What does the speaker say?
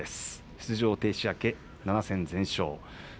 出場停止明け、７戦全勝。